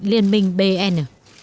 liên minh bn